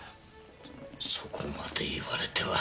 そこまで言われては。